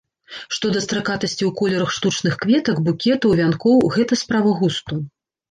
Што да стракатасці ў колерах штучных кветак, букетаў, вянкоў, гэта справа густу.